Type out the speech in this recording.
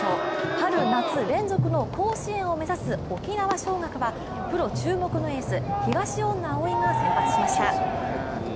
春夏連続の甲子園を目指す沖縄尚学はプロ注目のエース、東恩納蒼が先発しました。